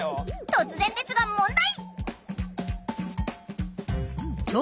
突然ですが問題！